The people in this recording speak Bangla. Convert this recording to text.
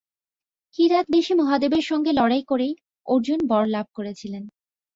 কিরাতবেশী মহাদেবের সঙ্গে লড়াই করেই অর্জুন বরলাভ করেছিলেন।